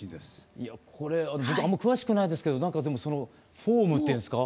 いやこれあんま詳しくないですけど何かでもフォームっていうんですか。